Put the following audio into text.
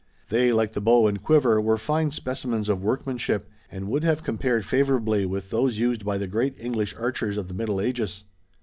They, like the bow and quiver, were fine specimens of workmanship and would have compared favorably with those used by the great English archers of the Middle Ages.